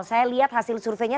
saya lihat hasil surveinya